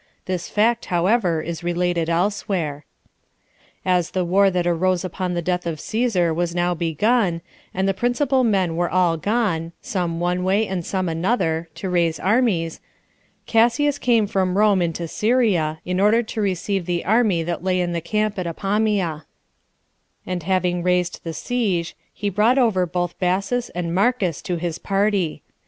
This fact however, is related elsewhere. 2. As the war that arose upon the death of Cæsar was now begun, and the principal men were all gone, some one way, and some another, to raise armies, Cassius came from Rome into Syria, in order to receive the [army that lay in the] camp at Apamia; and having raised the siege, he brought over both Bassus and Marcus to his party.